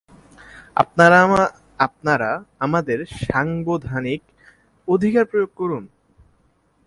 আপনারা আপনাদের সাংবিধানিক অধিকার প্রয়োগ করুন।